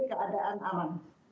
sejauh ini keadaan aman